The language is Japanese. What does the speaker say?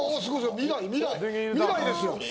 未来ですよ。